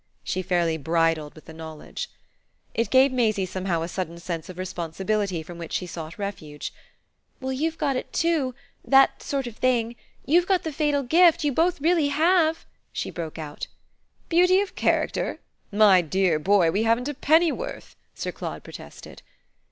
she fairly bridled with the knowledge. It gave Maisie somehow a sudden sense of responsibility from which she sought refuge. "Well, you've got it too, 'that sort of thing' you've got the fatal gift: you both really have!" she broke out. "Beauty of character? My dear boy, we haven't a pennyworth!" Sir Claude protested.